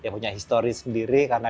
punya histori sendiri karena